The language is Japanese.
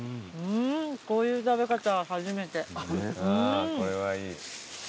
こういう食べ方初めて。